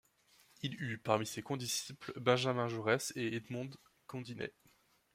Il eut, parmi ses condisciples, Benjamin Jaurès et Edmond Gondinet.